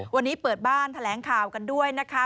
วันนี้เปิดบ้านแถลงข่าวกันด้วยนะคะ